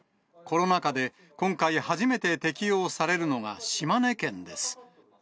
コロナ禍で今回初めて適用されるのが島根県です。